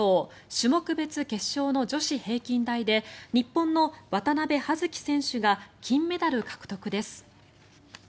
種目別決勝の女子平均台で日本の渡部葉月選手が金メダル獲得です。